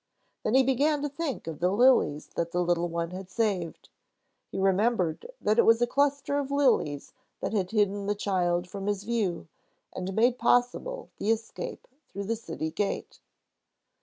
Then he began to think of the lilies that the little one had saved; he remembered that it was a cluster of lilies that had hidden the child from his view and made possible the escape through the city gate.